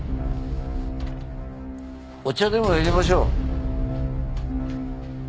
お茶でも淹れましょう。